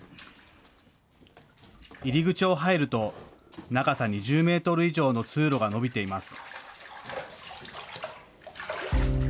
入り口を入ると、長さ２０メートル以上の通路が伸びています。